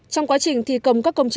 trong quá trình thi công các công ty